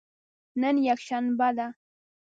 نن یکشنبه ده